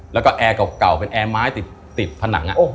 แล้วก็แอร์เก่าเป็นแอร์ไม้ติดผนัง